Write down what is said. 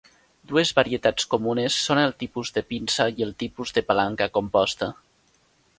Dues varietats comunes són el tipus de pinça i el tipus de palanca composta.